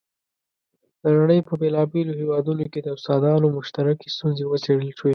د نړۍ په بېلابېلو هېوادونو کې د استادانو مشترکې ستونزې وڅېړل شوې.